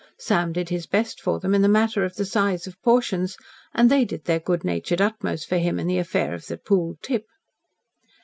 Sam did his best for them in the matter of the size of portions, and they did their good natured utmost for him in the affair of the pooled tip.